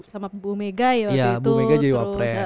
sama bu megai waktu itu